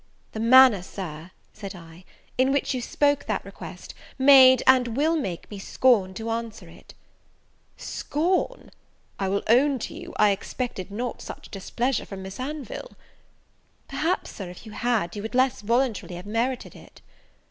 "The manner, Sir," said I, "in which you spoke that request, made, and will make, me scorn to answer it." "Scorn! I will own to you, I expected not such displeasure from Miss Anville." "Perhaps, Sir, if you had, you would less voluntarily have merited it."